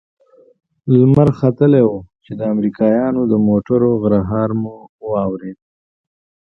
لمر ختلى و چې د امريکايانو د موټرو غرهار مو واورېد.